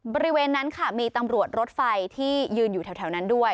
บริเวณนั้นค่ะมีตำรวจรถไฟที่ยืนอยู่แถวนั้นด้วย